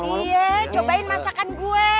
iya cobain masakan gua